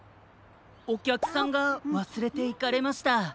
おきゃくさんがわすれていかれました。